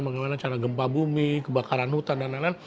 bagaimana cara gempa bumi kebakaran hutan dan lain lain